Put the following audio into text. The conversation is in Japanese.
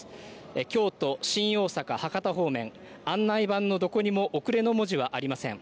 京都、新大阪、博多方面、案内板のどこにも遅れの文字はありません。